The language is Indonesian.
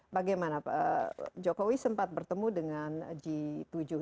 bagaimana pak jokowi sempat bertemu dengan g tujuh